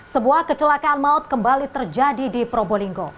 sebuah kecelakaan maut kembali terjadi di probolinggo